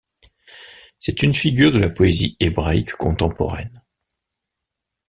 C'est une figure de la poésie hébraïque contemporaine.